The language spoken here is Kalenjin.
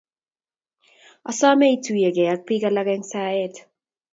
Asome ituyiegei ak biik alak eng' saet